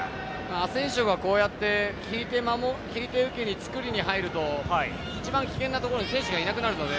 アセンシオは、こうやって引いて受けて作りに入ると一番危険なところに選手がいなくなるので。